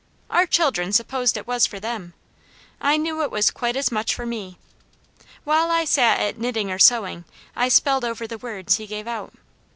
Our children supposed it was for them; I knew it was quite as much for me. While I sat at knitting or sewing, I spelled over the words he gave out.